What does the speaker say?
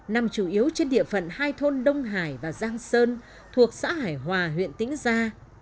nằm chủ yếu trên địa phận hai thôn đông hải và giang sơn thuộc xã hải hòa huyện tĩnh gia